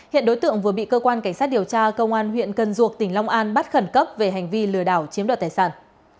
hiện đối tượng vừa bị cơ quan cảnh sát điều tra công an huyện cần duộc tỉnh long an bắt khẩn cấp về hành vi lừa đảo chiếm đoạt tài sản